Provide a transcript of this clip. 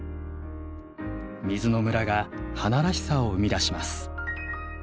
水のムラが花らしさを生み出します。